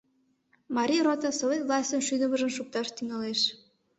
Марий рота Совет властьын шӱдымыжым шукташ тӱҥалеш.